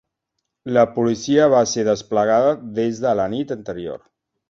La policia va ser desplegada des de la nit anterior.